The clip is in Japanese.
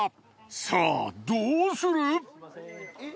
さあどうする？